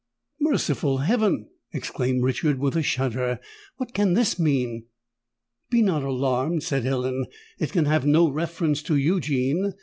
"Merciful heaven!" exclaimed Richard, with a shudder: "what can this mean?" "Be not alarmed," said Ellen: "it can have no reference to Eugene.